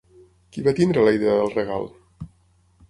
Qui va tenir la idea del regal?